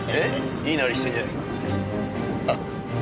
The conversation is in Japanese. いいなりしてんじゃねえかお前。